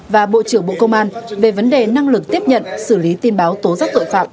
và bộ trưởng bộ công an về vấn đề năng lực tiếp nhận xử lý tin báo tố giác tội phạm